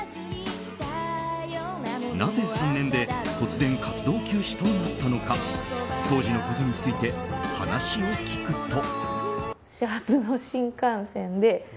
なぜ３年で突然、活動休止となったのか当時のことについて話を聞くと。